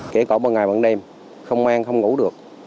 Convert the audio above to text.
kể cả bằng ngày bằng đêm không an không ngủ được